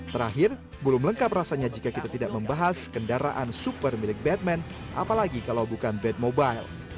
terakhir belum lengkap rasanya jika kita tidak membahas kendaraan super milik batman apalagi kalau bukan bad mobile